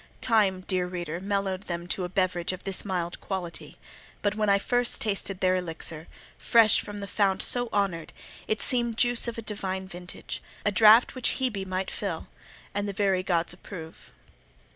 Time, dear reader, mellowed them to a beverage of this mild quality; but when I first tasted their elixir, fresh from the fount so honoured, it seemed juice of a divine vintage: a draught which Hebe might fill, and the very gods approve.